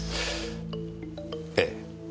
ええ。